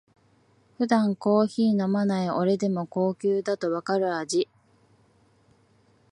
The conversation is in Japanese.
普段コーヒー飲まない俺でも高級だとわかる味